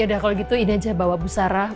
yaudah kalau gitu ini aja bawa bu sarah